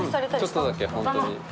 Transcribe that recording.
ちょっとだけ本当に。